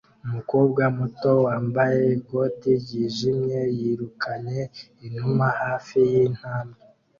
Umukobwa muto wambaye ikoti ryijimye yirukanye inuma hafi yintambwe